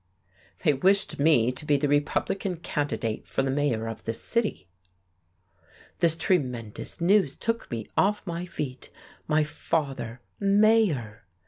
"They wished me to be the Republican candidate for the mayor of this city." This tremendous news took me off my feet. My father mayor!